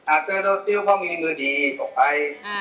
อาเตอร์โลเซียวเขามีมือดี